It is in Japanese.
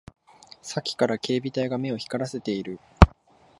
さっきから警備隊が目を光らせている